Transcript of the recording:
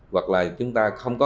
hoặc là chúng ta không có